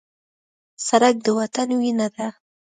سړک د وطن وینه ده.